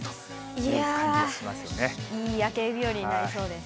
いい夜景日和となりそうです。